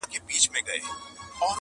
د ابوجهل خوله به ماته وي شیطان به نه وي-